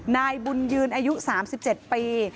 นายบุญยืนอายุ๓๗ปี